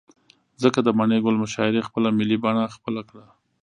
ځكه د مڼې گل مشاعرې خپله ملي بڼه خپله كړه.